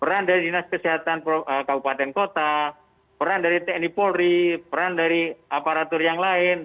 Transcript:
peran dari dinas kesehatan kabupaten kota peran dari tni polri peran dari aparatur yang lain